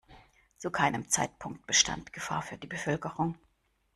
Zu keinem Zeitpunkt bestand Gefahr für die Bevölkerung.